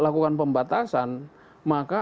lakukan pembatasan maka